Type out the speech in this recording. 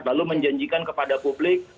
lalu menjanjikan kepada publik